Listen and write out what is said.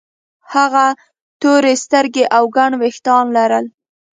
هغه تروې سترګې او ګڼ وېښتان لرل